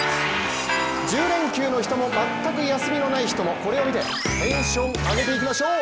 １０連休の人も全く休みのない人もこれを見て、テンション上げていきましょう。